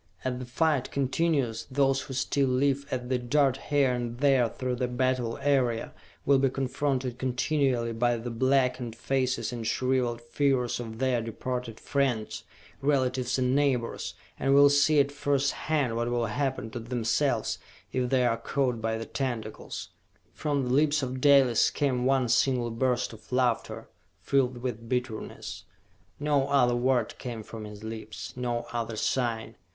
As the fight continues, those who still live, as they dart here and there through the battle area, will be confronted continually by the blackened faces and shriveled figures of their departed friends, relatives and neighbors, and will see at first hand what will happen to themselves if they are caught by the tentacles!" From the lips of Dalis came one single burst of laughter, filled with bitterness. No other word came from his lips, no other sign.